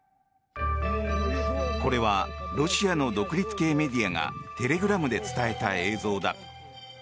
これはロシアの独立系メディアがテレグラムで伝えた映像だ。